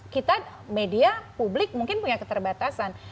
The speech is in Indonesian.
kita media publik mungkin punya keterbatasan